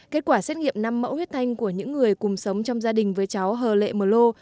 kết quả xét nghiệm năm mẫu huyết thanh của những người cùng sống trong gia đình với cháu hờ lệ mờ lô